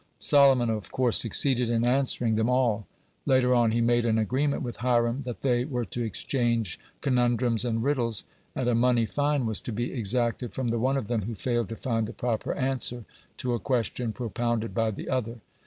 Solomon, of course, succeeded in answering them all. Later on he made an agreement with Hiram, that they were to exchange conundrums and riddles, and a money fine was to be exacted from the one of them who failed to find the proper answer to a question propounded by the other.